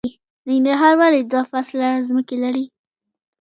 ننګرهار ولې دوه فصله ځمکې لري؟